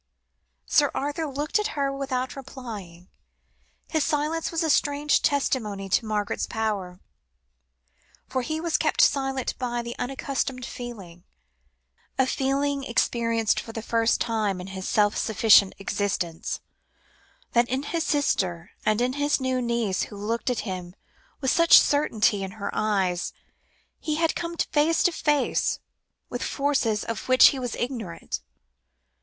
Sir Arthur looked at her without replying. His silence was a strange testimony to Margaret's power, for he was kept silent by the unaccustomed feeling (a feeling experienced for the first time in his self sufficient existence) that in his sister, and in the new niece who looked at him with such certainty in her eyes, he had come face to face with forces of which he was ignorant.